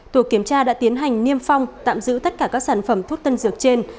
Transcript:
tổ kiểm tra đã tiến hành niêm phong tạm giữ tất cả các sản phẩm thuốc tân dược trên